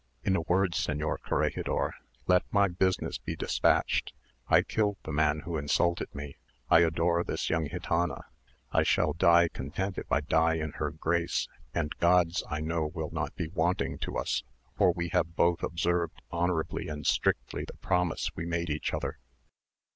In a word, señor corregidor, let my business be despatched. I killed the man who insulted me; I adore this young gitana; I shall die content if I die in her grace, and God's I know will not be wanting to us, for we have both observed honourably and strictly the promise we made each other."